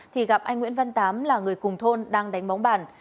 thì gặp anh nguyễn văn tám là người cùng thôn đang đánh bóng bàn